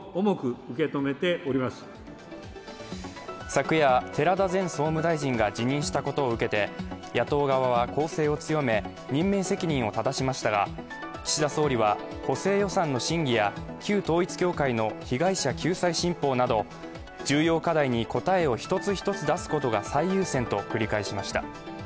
昨夜、寺田前総務大臣が辞任したことを受けて野党側は、攻勢を強め任命責任をただしましたが岸田総理は、補正予算の審議や旧統一教会の被害者救済新法など重要課題に答えを一つ一つ出すことが最優先と繰り返しました。